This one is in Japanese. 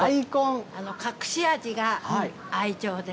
隠し味が、愛情です。